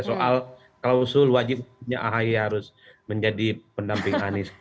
soal klausul wajibnya ahy harus menjadi pendamping anies